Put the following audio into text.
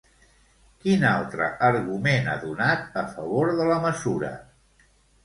Quin altre argument ha donat a favor de la mesura?